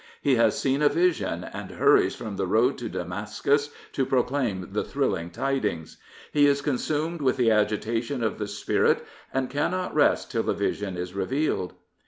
He has seen a vision, and hurries from the road to Damascus to proclaim the thrilling tidings. He is consumed with the agitation of the spirit and cannot rest till the vision is revealed.